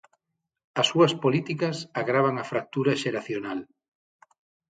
As súas políticas agravan a fractura xeracional.